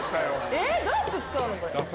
えー、どうやって使うの。